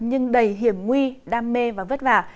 nhưng đầy hiểm nguy đam mê và vất vả